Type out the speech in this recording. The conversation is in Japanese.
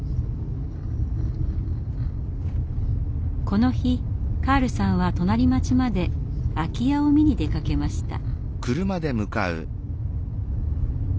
この日カールさんは隣町まで空き家を見に出かけました。